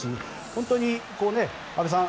本当に安部さん